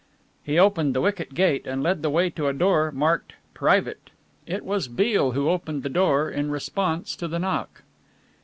He opened the wicket gate and led the way to a door marked "Private." It was Beale who opened the door in response to the knock.